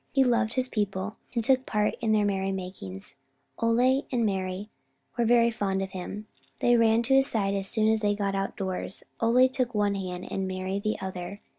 He loved his people, and took part in all their merry makings. Ole and Mari were very fond of him. They ran to his side as soon as they got outdoors. Ole took one hand and Mari the other.